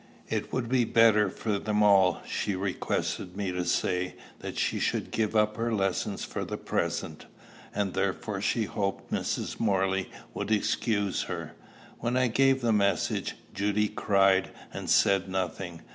It would be better for them all, she requested me to say, that she should give up her lessons for the present; and therefore she hoped Mrs. Morley would excuse her. When I gave the message, Judy cried, and said nothing.